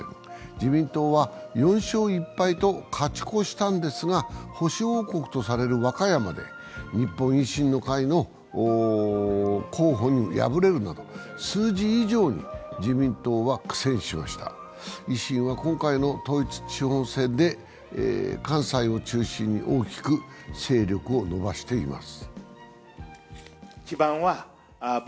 自民党は４勝１敗と勝ち越したんですが保守王国とされる和歌山で日本維新の会の候補に敗れるなど数字以上に、自民党は苦戦しました維新は今回の統一地方選で、関西を中心に大きく勢力を伸ばしています。